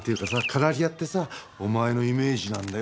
カナリアってさお前のイメージなんだよ。